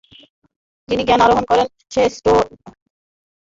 তিনি জ্ঞান আহরণ করে স্টবো ক্যাসলে প্রয়োগ করেন।